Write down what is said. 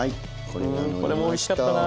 これもおいしかったな。